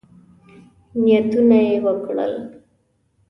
نیتونه یې وکړل.